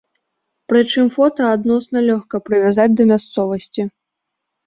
Прычым фота адносна лёгка прывязаць да мясцовасці.